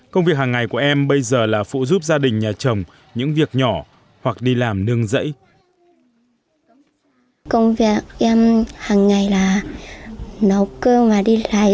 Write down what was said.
công việc hàng ngày của em bây giờ là phụ giúp gia đình nhà chồng những việc nhỏ hoặc đi làm nương rẫy